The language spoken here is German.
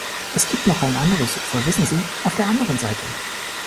Es gibt noch ein anderes Ufer, wissen Sie, auf der anderen Seite.